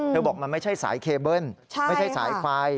บอกมันไม่ใช่สายเคเบิ้ลไม่ใช่สายไฟ